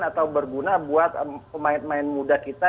atau berguna buat pemain pemain muda kita